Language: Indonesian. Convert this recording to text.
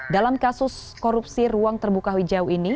dalam kasus korupsi ruang terbuka hijau ini